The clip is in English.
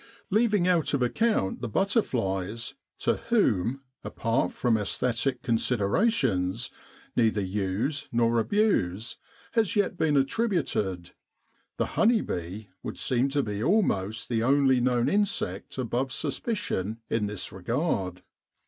Leaving out of account the butterflies to whom, apart from aesthetic considera tions, neither use nor abuse has yet been attributed the honey bee would seem to be almost the only known insect above suspicion in this regard.